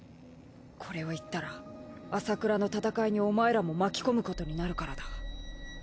これを言ったら麻倉の戦いにお前らも巻き込むことになるからだ。